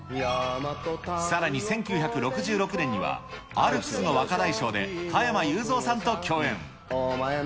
さらに１９６６年には、アルプスの若大将で加山雄三さんと共演。